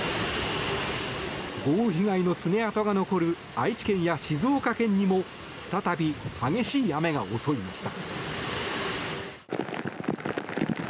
豪雨被害の爪痕が残る愛知県や静岡県にも再び激しい雨が襲いました。